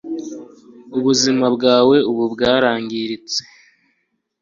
ubuzima bwawe ubu bwarangiritse